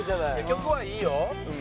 曲はいいよ。